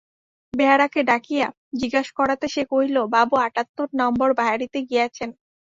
বেহারাকে ডাকিয়া জিজ্ঞাসা করাতে সে কহিল, বাবু আটাত্তর নম্বর বাড়িতে গিয়াছেন।